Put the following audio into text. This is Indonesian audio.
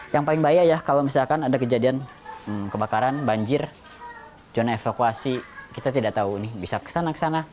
yang paling bahaya ya kalau misalkan ada kejadian kebakaran banjir zona evakuasi kita tidak tahu ini bisa kesana kesana